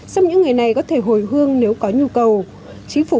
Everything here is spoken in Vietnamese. xong những ngày này có thể hồi hương nếu có nhu cầu